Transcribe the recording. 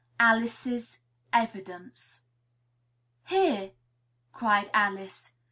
X ALICE'S EVIDENCE "Here!" cried Alice.